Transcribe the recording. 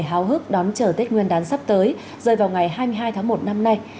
háo hức đón chờ tết nguyên đán sắp tới rời vào ngày hai mươi hai tháng một năm nay